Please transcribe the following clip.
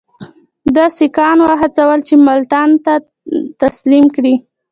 ده سیکهان وهڅول چې ملتان ده ته تسلیم کړي.